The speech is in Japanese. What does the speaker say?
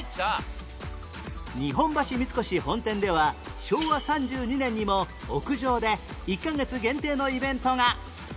日本橋三越本店では昭和３２年にも屋上で１カ月限定のイベントが！